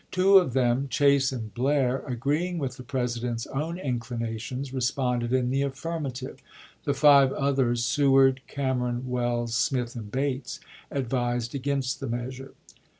Two of them, Chase and Blair, agreeing with the President's own inclinations, responded in the aftirmative; the five others, Seward, Cameron, Welles, Smith, and Bates, advised against the measure.